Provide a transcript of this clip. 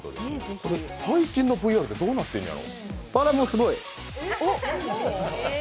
最近のＶＲってどうなってんやろ。